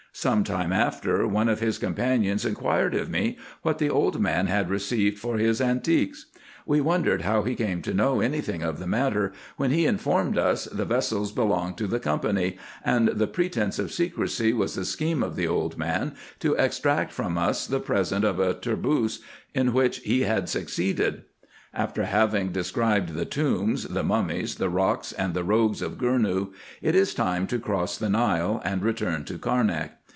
Some time after, one of his companions inquired of me what the old man had received for his antiques. We wondered how he came to know any thing of the matter ; when he informed vis, the vessels belonged to the company, and the pretence of secrecy was a scheme of the old man to extract from us the present of a turbouse*,in which he had succeeded. * A red cap, or bonnet. 162 RESEARCHES AND OPERATIONS After having described the tombs, the mummies, the rocks, and the rogues of Gournou, it is time to cross the Nile, and return to Carnak.